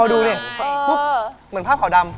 พอดูเนี่ยเหมือนภาพขาวดำ